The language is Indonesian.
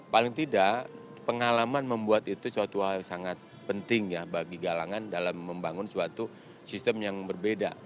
paling tidak pengalaman membuat itu suatu hal yang sangat penting ya bagi galangan dalam membangun suatu sistem yang berbeda